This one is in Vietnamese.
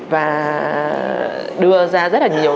và đưa ra rất là nhiều